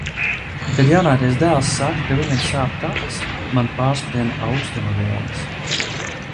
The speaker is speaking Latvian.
Kad jaunākais dēls saka, ka viņam sāp kakls, man pārskrien aukstuma vilnis.